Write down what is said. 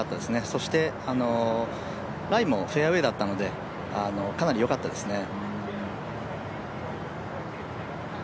そして、ライもフェアウエーだったのでかなりよかったですね。